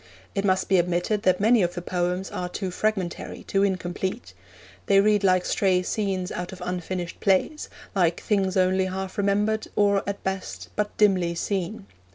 It must be admitted that many of the poems are too fragmentary, too incomplete. They read like stray scenes out of unfinished plays, like things only half remembered, or, at best, but dimly seen.